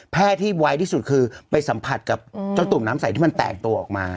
ที่ไวที่สุดคือไปสัมผัสกับเจ้าตุ่มน้ำใสที่มันแต่งตัวออกมา